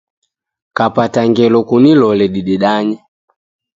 Kapata ngelo kunilole didedanye